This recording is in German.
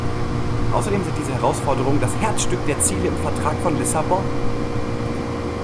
Außerdem sind diese Herausforderungen das Herzstück der Ziele im Vertrag von Lissabon.